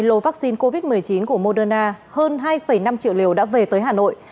hai lô vaccine covid một mươi chín của moderna hơn hai năm triệu liều đã về tới hà nội